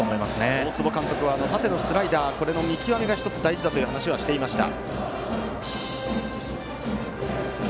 大坪監督は縦のスライダーの見極めが１つ、大事だという話をしていました。